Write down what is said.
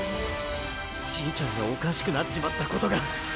じいちゃんがおかしくなっちまったことが。